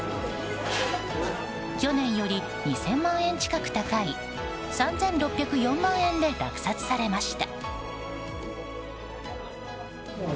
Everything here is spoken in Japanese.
去年より２０００万円近く高い３６０４万円で落札されました。